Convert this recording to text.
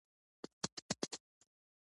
د غره للمه د چا حق دی؟